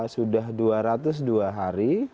sudah dua ratus dua hari